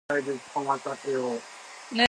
沬